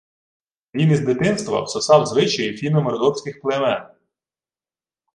Він із дитинства всотав звичаї фіно-мордовських племен